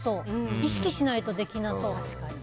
意識しないとできなさそう。